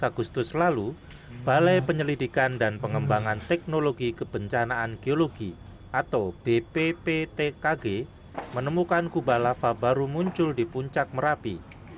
dua puluh agustus lalu balai penyelidikan dan pengembangan teknologi kebencanaan geologi atau bpptkg menemukan kubah lava baru muncul di puncak merapi